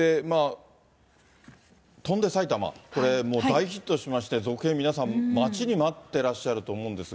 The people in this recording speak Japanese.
翔んで埼玉、これもう大ヒットしまして、続編、皆さん、待ちに待ってらっしゃると思うんですが。